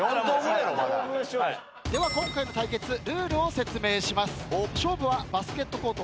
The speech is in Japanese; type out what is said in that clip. では今回の対決ルールを説明します。